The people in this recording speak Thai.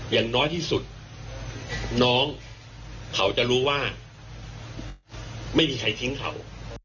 อย่างน้อยที่สุดน้องเขาจะรู้ว่าไม่มีใครทิ้งเขา